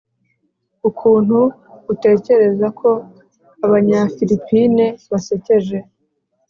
ukuntu utekereza ko abanyafilipine basekeje.